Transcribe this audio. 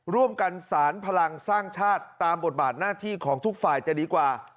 ร่วมกันสารพลังสร้างชาติตามบทบาทหน้าที่ของทุกฝ่ายจะดีกว่า